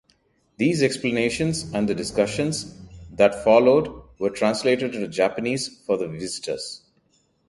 These explanations and the discussions that followed were translated into Japanese for the visitors.